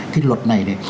thì luật này này